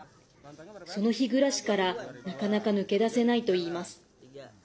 その日暮らしからなかなか抜け出せないといいます。